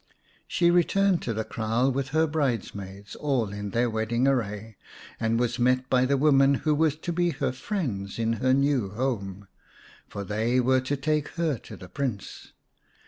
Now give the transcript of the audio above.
She returned to the kraal with her bridesmaids, all in their wedding array, and was met by the women who were to be her friends in her new home, for they were to take her to the Prince.